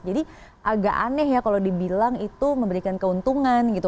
jadi agak aneh ya kalau dibilang itu memberikan keuntungan gitu